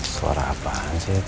suara apaan sih itu